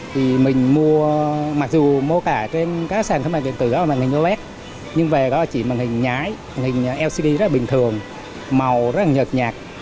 thì mình mua mặc dù mua cả trên các sản phẩm điện tử đó là màn hình oled nhưng về đó chỉ màn hình nhái màn hình lcd rất là bình thường màu rất là nhợt nhạt